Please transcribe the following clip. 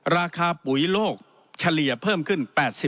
ปุ๋ยโลกเฉลี่ยเพิ่มขึ้น๘๐